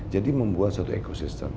jadi membuat satu ekosistem